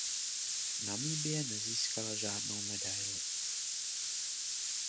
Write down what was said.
Namibie nezískala žádnou medaili.